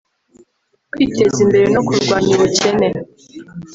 kwiteza imbere no kurwanya ubukene